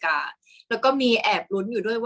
กากตัวทำอะไรบ้างอยู่ตรงนี้คนเดียว